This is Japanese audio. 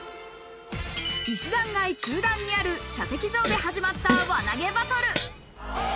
石段街中段にある射的場で始まった輪投げバトル。